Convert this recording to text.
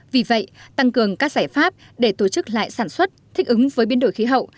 vì vậy tăng cường các giải pháp để tổ chức lại sản xuất thích ứng với biến đổi khí hậu